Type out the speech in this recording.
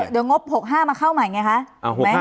เดี๋ยวงบ๖๕มาเข้าใหม่ไงคะ